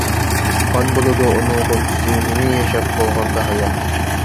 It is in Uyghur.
قان بولىدۇ ئۇنىڭ غۇنچىسى، مېنى ياشاپ بولغاندا ھايات!